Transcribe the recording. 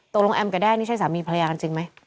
ตกลงแอมกับแด้นี่ใช่สามีภรรยากันจริงไหม